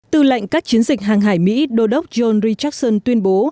từ lệnh các chiến dịch hàng hải mỹ đô đốc john richardson tuyên bố